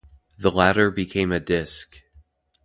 The ladder became a disk.